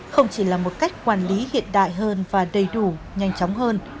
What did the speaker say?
không chỉ là một cách quản lý hiện đại hơn và đầy đủ nhanh chóng hơn